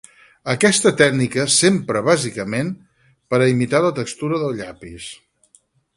Aquesta tècnica s'empra bàsicament per a imitar la textura del llapis.